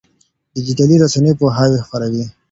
ډيجيټلي رسنۍ پوهاوی خپروي.